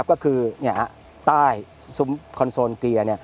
ก็คือใต้ซุ้มคอนโซลเกียร์